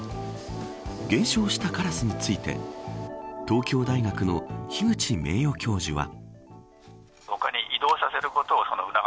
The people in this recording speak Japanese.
減少したカラスについて東京大学の樋口名誉教授は。